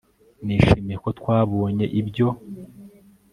Nishimiye ko twabonye ibyo